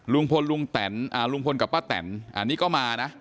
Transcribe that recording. ลุงพลลุงแตนลุงพลกับป้าแตนอันนี้ก็มานะ